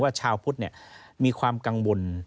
ว่าชาวพุทธเนี่ยมีความกังวล